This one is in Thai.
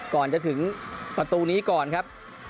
ก่อนจะถึงประตูนี้ก่อนครับ